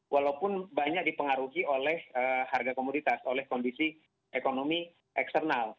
walaupun banyak dipengaruhi oleh harga komoditas oleh kondisi ekonomi eksternal